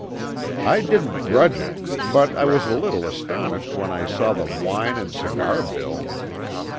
I didn't grudge it, but I was a little astonished when I saw the wine and cigar bill.